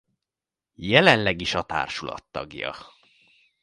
Jelenleg is a társulat tagja.